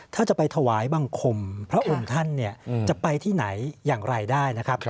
ถ้าจะไปถวายบังคมพระองค์ท่านจะไปที่ไหนอย่างไรได้นะครับ